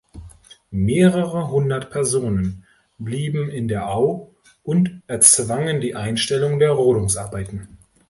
Mehrere hundert Personen blieben in der Au und erzwangen die Einstellung der Rodungsarbeiten.